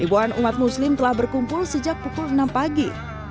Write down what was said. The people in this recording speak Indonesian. ribuan umat muslim telah berkumpul sejak pukul enam pagi